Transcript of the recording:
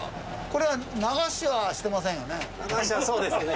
これは流しはしてませんよね？